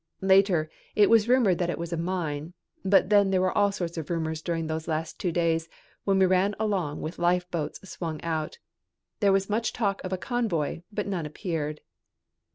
Later it was rumored that it was a mine, but then there were all sorts of rumors during those last two days when we ran along with lifeboats swung out. There was much talk of a convoy, but none appeared.